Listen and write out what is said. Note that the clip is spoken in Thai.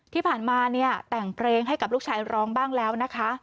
ที่ผ่านมาเนี่ยแต่งเพลงให้กับลูกชายร้องบ้างแล้วนะคะ